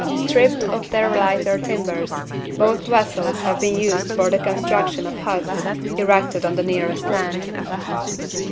Stripped of their lighter timbers, both vessels have been used for the construction of huts, erected on the nearest land.